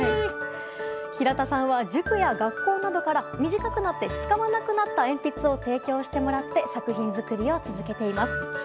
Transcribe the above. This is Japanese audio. ひらたさんは塾や学校などから短くなって使わなくなった鉛筆を提供してもらって作品作りを続けています。